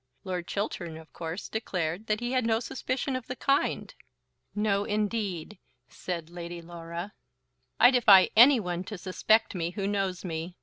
Lord Chiltern of course declared that he had no suspicion of the kind. "No; indeed," said Lady Laura. "I defy any one to suspect me who knows me.